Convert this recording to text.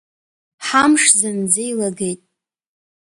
Ҳамш зынӡа еилагеит.